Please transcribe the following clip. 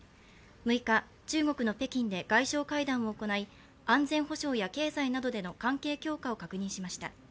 ６日、中国の北京で外相会談を行い安全保障や経済などでの関係強化を確認しました。